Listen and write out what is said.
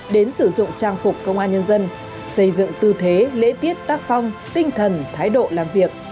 đến sử dụng trang phục công an nhân dân xây dựng tư thế lễ tiết tác phong tinh thần thái độ làm việc